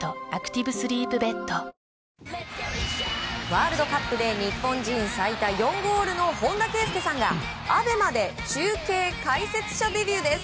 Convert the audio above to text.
ワールドカップで日本人最多４ゴールの本田圭佑さんがＡＢＥＭＡで中継解説者デビューです。